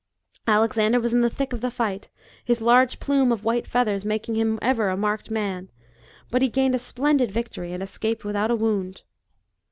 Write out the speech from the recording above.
Alexander was in the thick of the fight, his large plume of white feathers making him ever a marked man ; but he gained a splendid victory and escaped without a wound.